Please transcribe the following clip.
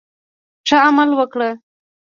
ښه عمل وکړه.